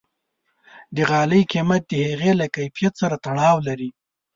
د غالۍ قیمت د هغې له کیفیت سره تړاو لري.